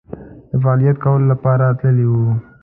د فعالیت کولو لپاره تللي وو.